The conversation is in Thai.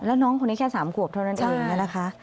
แล้วน้องคนนี้แค่๓ขวบเท่านั้นเองนะคะ